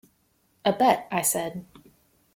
“A bet,” I said.